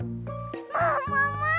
ももも！